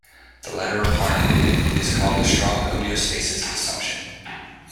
The latter requirement is called the strong homeostasis assumption.